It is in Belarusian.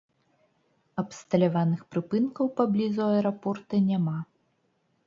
Абсталяваных прыпынкаў паблізу аэрапорта няма.